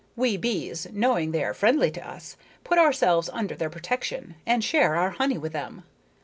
We bees, knowing they are friendly to us, put ourselves under their protection and share our honey with them.